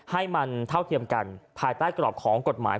ให้มันเท่าเทียมกันภายใต้กรอบของกฎหมาย